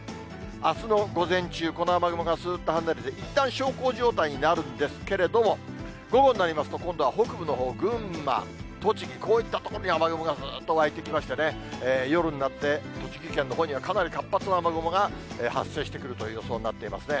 あすの午前中、この雨雲がすーっと離れて、いったん小康状態になるんですけれども、午後になりますと、今度は北部のほう、群馬、栃木、こういった所に雨雲がすーっと湧いてきましてね、夜になって栃木県のほうにはかなり活発な雨雲が発生してくるという予想になってますね。